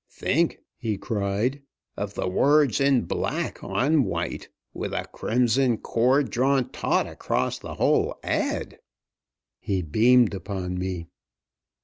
"Think," he cried, "of the words in black on white, with a crimson cord drawn taut across the whole ad.!" He beamed upon me.